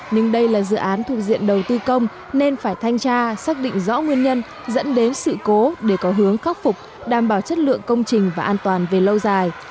nhưng đây là dự án thuộc diện đầu tư công nên phải thanh tra xác định rõ nguyên nhân dẫn đến sự cố để có hướng khắc phục đảm bảo chất lượng công trình và an toàn về lâu dài